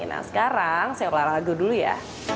nah sekarang saya olahraga dulu ya